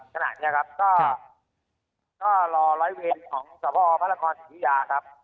ขนาดเนี้ยครับก็ก็รอร้อยเวลของสวพพระราคอนศิริยาครับ